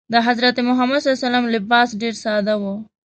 د حضرت محمد ﷺ لباس ډېر ساده و.